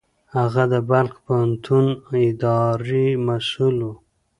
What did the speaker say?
هغه د بلخ پوهنتون اداري مسوول و.